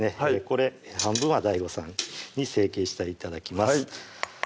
これ半分はＤＡＩＧＯさんに成形して頂きます